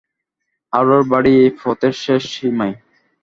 হারুর বাড়ি এই পথের শেষ সীমায়।